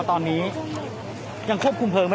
มันก็ไม่ต่างจากที่นี่นะครับ